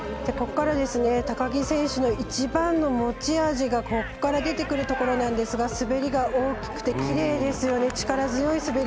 高木選手の一番の持ち味がここから出てくるところなんですが滑りが大きくてきれいですよね。